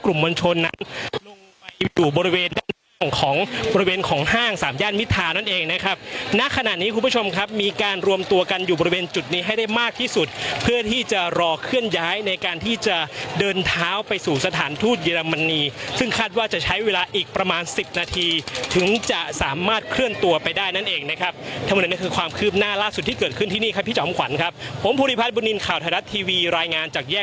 กลุ่มมวลชนนั้นลงไปอยู่บริเวณของห้างสามย่านมิดทาวน์นั้นเองนะครับณขณะนี้คุณผู้ชมครับมีการรวมตัวกันอยู่บริเวณจุดนี้ให้ได้มากที่สุดเพื่อที่จะรอเคลื่อนย้ายในการที่จะเดินเท้าไปสู่สถานทูตเยอรมนีซึ่งคาดว่าจะใช้เวลาอีกประมาณสิบนาทีถึงจะสามารถเคลื่อนตัวไปได้นั่นเองนะครับถ้าเมื่อนั้นคือ